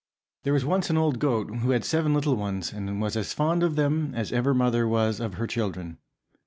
THERE was once an old goat who had seven little ones, and was as fond of them as ever mother was of her children.